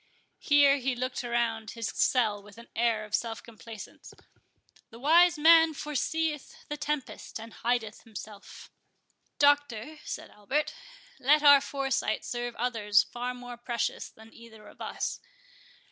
(Here he looked around his cell with an air of self complacence.) "The wise man forseeth the tempest, and hideth himself." "Doctor," said Albert, "let our foresight serve others far more precious than either of us.